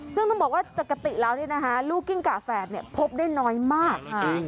ซึ่งมันบอกว่าปกติแล้วเนี่ยนะคะลูกกิ้งก่าแฝดพบได้น้อยมาก